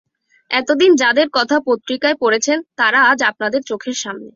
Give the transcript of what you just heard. এতদিন যাদের কথা পত্রিকায় পড়েছেন, তারা আজ আপনাদের চোখের সামনে।